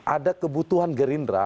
ada kebutuhan gerindra